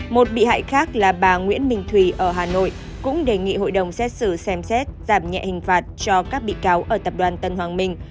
một bị hại khác là bà nguyễn bình thùy ở hà nội cũng đề nghị hội đồng xét xử xem xét giảm nhẹ hình phạt cho các bị cáo ở tập đoàn tân hoàng minh